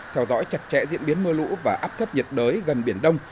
theo dõi chặt chẽ diễn biến mưa lũ và áp thấp nhiệt đới gần biển đông